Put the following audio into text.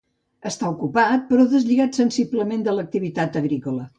Està ocupat però deslligat sensiblement de l'activitat agrícola.